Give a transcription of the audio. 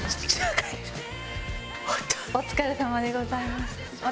お疲れさまでございました。